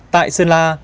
tại sơn la